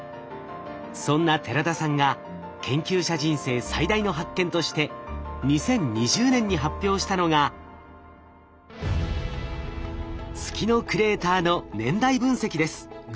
そんな寺田さんが研究者人生最大の発見として２０２０年に発表したのが月のクレーターの年代分析です。